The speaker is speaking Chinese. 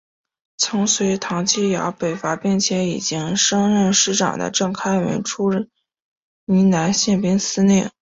曾随唐继尧北伐并且已经升任师长的郑开文出任云南宪兵司令。